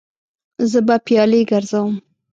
زه به پیالې ګرځوم.